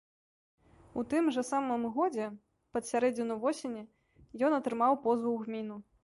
У тым жа самым годзе, пад сярэдзіну восені, ён атрымаў позву ў гміну.